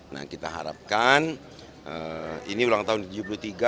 nah kita harapkan ini ulang tahun ke tujuh puluh tiga